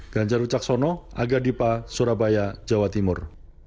ganjar ucaksono aga dipa surabaya jawa timur